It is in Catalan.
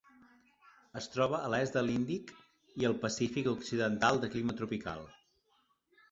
Es troba a l'est de l'Índic i el Pacífic occidental de clima tropical.